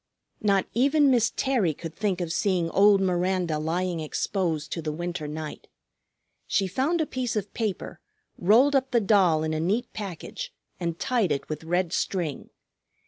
Not even Miss Terry could think of seeing old Miranda lying exposed to the winter night. She found a piece of paper, rolled up the doll in a neat package, and tied it with red string.